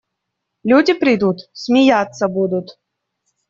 Люди придут – смеяться будут.